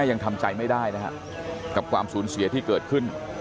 คุณแม่ยังทำใจไม่ได้นะฮะกับความสูญเสียที่เกิดขึ้น